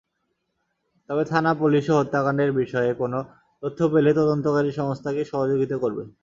তবে থানা-পুলিশও হত্যাকাণ্ডের বিষয়ে কোনো তথ্য পেলে তদন্তকারী সংস্থাকে সহযোগিতা করবে।